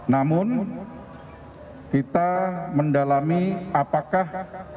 namun kita mendalami apakah